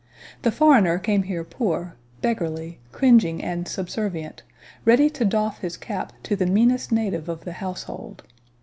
The foreigner came here poor, beggarly, cringing, and subservient, ready to doff his cap to the meanest native of the household.